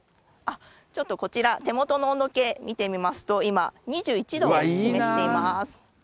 ちょっとこちら、手元の温度計見てみますと、今、２１度を示しています。